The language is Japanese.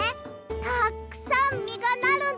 たっくさんみがなるんだって。